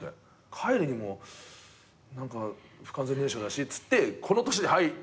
帰るにも不完全燃焼だしっつってこの年で入って養成所。